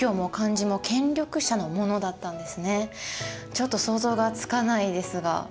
ちょっと想像がつかないですが。